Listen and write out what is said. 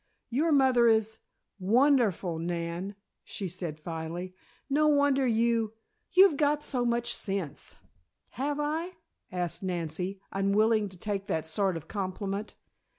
"Your mother is wonderful, Nan," she said finally. "No wonder you you've got so much sense." "Have I?" asked Nancy, unwilling to take that sort of compliment.